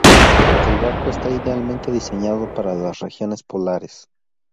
El barco está idealmente diseñado para las regiones polares.